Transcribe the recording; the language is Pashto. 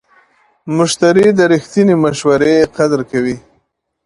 مشتری د رښتینې مشورې قدر کوي.